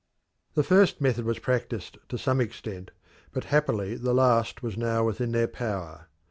The first method was practised to some extent, but happily the last was now within their power.